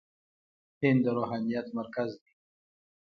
هند د روحانيت مرکز دی.